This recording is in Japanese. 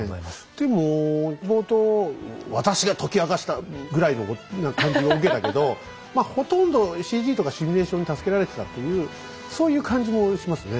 でも冒頭「私が解き明かした」ぐらいの感じを受けたけどまあほとんどＣＧとかシミュレーションに助けられてたっていうそういう感じもしますね。